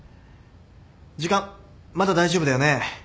時間まだ大丈夫だよね。